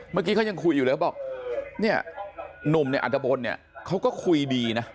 เมื่อกี้เขายังคุยอยู่แล้วบอกเนี่ยหนุ่มในอัตบลเนี่ยเขาก็คุยดีนะ